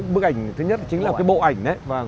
bức ảnh thứ nhất chính là bộ ảnh